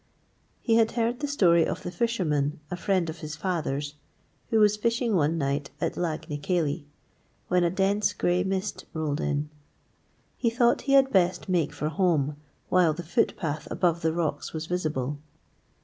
He had heard the story of the fisherman, a friend of his father's, who was fishing one night at Lag ny Keilley, when a dense grey mist rolled in. He thought he had best make for home while the footpath above the rocks was visible.